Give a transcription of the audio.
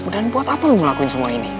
dan buat apa lo ngelakuin semua ini